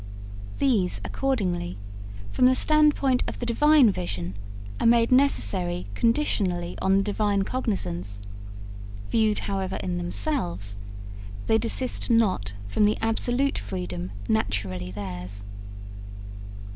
These, accordingly, from the standpoint of the Divine vision are made necessary conditionally on the Divine cognizance; viewed, however, in themselves, they desist not from the absolute freedom naturally theirs.